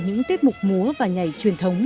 những tiết mục múa và nhảy truyền thống